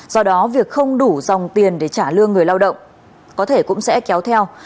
do đó việc không đủ dòng tiền để trả lương người lao động có thể cũng sẽ kéo theo